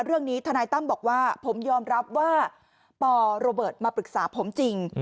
ทนายตั้มบอกว่าผมยอมรับว่าปโรเบิร์ตมาปรึกษาผมจริง